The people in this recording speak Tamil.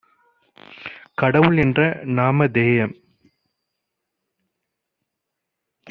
கடவுள்என்ற நாமதேயம்